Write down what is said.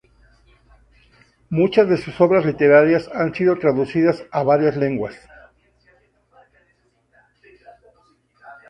Muchas de sus obras literarias han sido traducidas a varias lenguas.